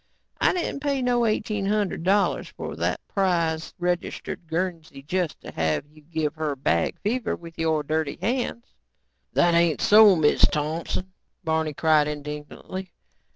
I didn't pay no eighteen hundred dollars for that prize, registered Guernsey just to have you give her bag fever with your dirty hands." "That ain't so, Miz Thompson," Barney cried indignantly.